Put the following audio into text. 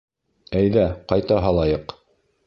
— Әйҙә, ҡайта һалайыҡ.